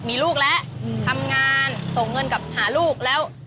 มีลูกแล้วทำงานส่งเงินกับหาลูกแล้ว